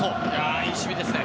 いい守備ですね。